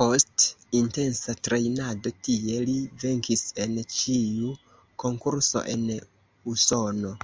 Post intensa trejnado tie, li venkis en ĉiu konkurso en Usono.